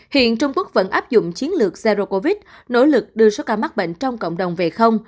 hiện trung quốc vẫn áp dụng chiến lược zero covid nỗ lực đưa số ca mắc bệnh trong cộng đồng về không